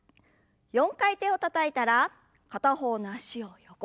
４回手をたたいたら片方の脚を横に。